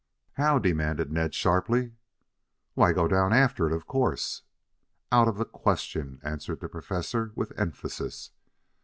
"How?" demanded Ned sharply. "Why, go down after it, of course." "Out of the question," answered the Professor, with emphasis.